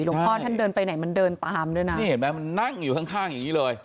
พ่อท่านเดินไปไหนมันเดินตามด้วยนะนี่เห็นไหมมันนั่งอยู่ข้างข้างอย่างงี้เลย